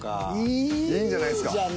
いいんじゃないすか。